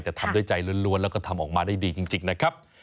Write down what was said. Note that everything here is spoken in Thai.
แต่ทำด้วยใจล้วนแล้วก็ทำออกมาได้ดีจริงนะครับ